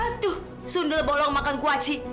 aduh sunda bolong makan kuaci